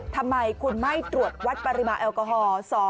ทำไมคุณไม่ตรวจวัดปริมาณแอลกอฮอล์